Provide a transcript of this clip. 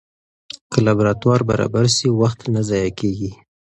که لابراتوار برابر سي، وخت نه ضایع کېږي.